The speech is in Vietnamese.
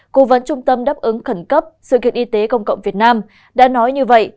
cố vấn trung tâm đáp ứng khẩn cấp sự kiện y tế công cộng việt nam đã nói như vậy